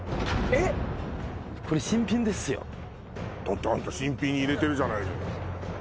だってあんた新品に入れてるじゃないのよ。